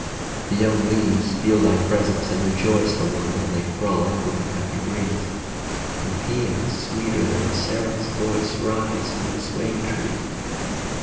The young leaves feel thy presence and rejoice The while they frolic with the happy breeze ; And paeans sweeter than a seraph's voice Rise from the swaying trees.